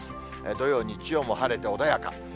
土曜、日曜も晴れて穏やか。